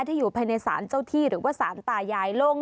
ที่อยู่ภายในศาลเจ้าที่หรือว่าสารตายายลง